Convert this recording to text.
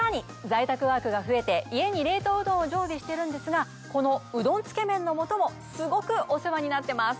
在宅ワークが増えて家に冷凍うどんを常備してるんですがこのうどんつけ麺の素もすごくお世話になってます。